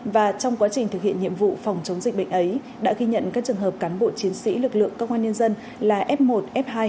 và trong quá trình thực hiện nhiệm vụ phòng chống dịch bệnh ấy đã ghi nhận các trường hợp cán bộ chiến sĩ lực lượng công an nhân dân là f một f hai